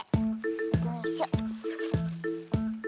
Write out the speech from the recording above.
よいしょ。